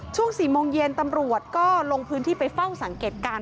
ช่วง๔โมงเย็นตำรวจก็ลงพื้นที่ไปเฝ้าสังเกตการณ์